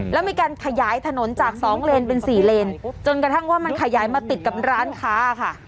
แล้วมีการขยายถนนจากสองเลนเป็นสี่เลนจนกระทั่งว่ามันขยายมาติดกับร้านค้าค่ะ